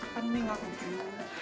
pening aku juga